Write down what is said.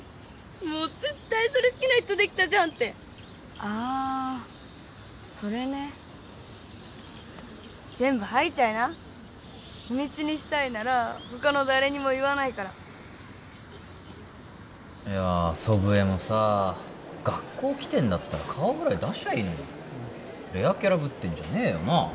もう絶対それ好きな人できたじゃんってあそれね全部吐いちゃいな秘密にしたいなら他の誰にも言わないからいや祖父江もさあ学校来てんだったら顔ぐらい出しゃいいのにレアキャラぶってんじゃねえよなあ